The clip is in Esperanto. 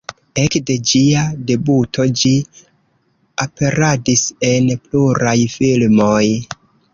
Ekde ĝia debuto ĝi aperadis en pluraj filmoj.